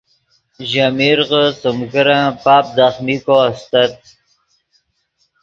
ژے میرغے سیم کرن پاپ ځخمیکو استت